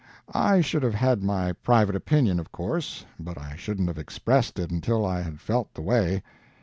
I should have had my private opinion, of course, but I shouldn't have expressed it until I had felt the way.